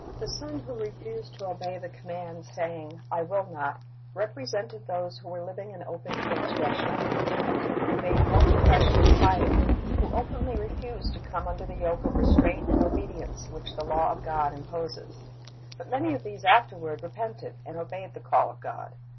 The son who refused to obey the command, saying, 276 C h }■ i s t 's hj c c t Less o u s "I will not," represented those who were livdng in open transgression, who made no profession of piety, who openly refused to come under the yoke of restraint and obedience which the law of God imposes. But many of these afterward repented, and obeyed the call of God.